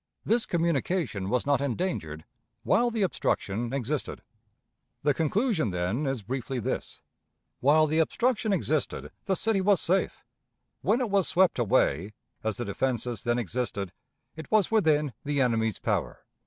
This communication was not endangered while the obstruction existed. The conclusion, then, is briefly this: While the obstruction existed, the city was safe; when it was swept away, as the defenses then existed, it was within the enemy's power."